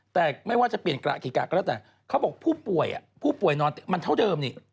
แต่ไม่ว่าจะเปลี่ยนกระกี่กระเขาบอกว่าผู้ป่วยอ่ะผู้ป่วยนอนตึ๊กมันเท่าเดิมนี่